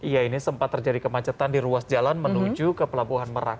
ya ini sempat terjadi kemacetan di ruas jalan menuju ke pelabuhan merak